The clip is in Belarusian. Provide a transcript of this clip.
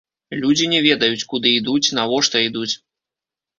Людзі не ведаюць, куды ідуць, навошта ідуць.